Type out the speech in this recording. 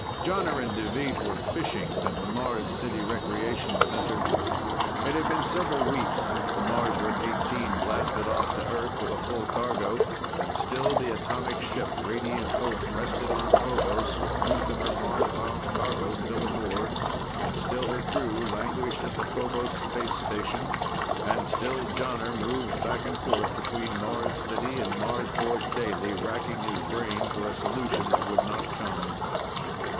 Jonner and Deveet were fishing at the Mars City Recreation Center. It had been several weeks since the Marsward XVIII blasted off to Earth with a full cargo. And still the atomic ship Radiant Hope rested on Phobos with most of her Marsbound cargo still aboard; and still her crew languished at the Phobos space station; and still Jonner moved back and forth between Mars City and Marsport daily, racking his brain for a solution that would not come.